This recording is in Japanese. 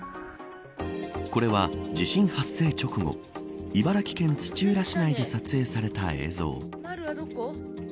これは、地震発生直後茨城県土浦市内で撮影された映像。